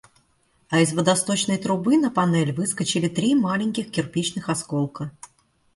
А из водосточной трубы на панель выскочили три маленьких кирпичных осколка.